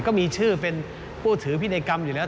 ก็มีชื่อเป็นผู้ถือพินัยกรรมอยู่แล้ว